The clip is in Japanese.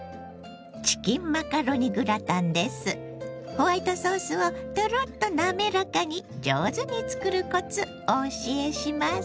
ホワイトソースをトロッと滑らかに上手に作るコツお教えします。